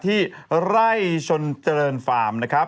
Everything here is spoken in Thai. ที่ไร่ชนเจริญฟาร์มนะครับ